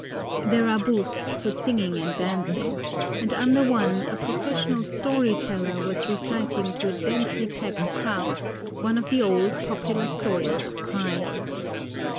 There are booths for singing and dancing, and under one a professional story teller was reciting to a densely packed crowd one of the old, popular stories of crime.